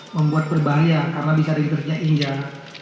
membuat berbahaya karena bisa rinteknya injak